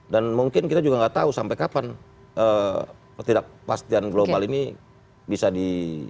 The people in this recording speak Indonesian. dan mungkin kita juga gak tahu sampai kapan ketidakpastian global ini bisa di